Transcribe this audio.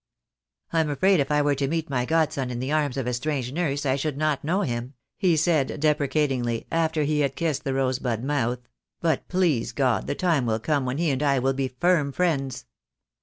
"I'm afraid if I were to meet my Godson in the arms of a strange nurse I should not know him," he said, de precatingly, after he had kissed the rosebud mouth, "but please God the time will come when he and I will be firm friends.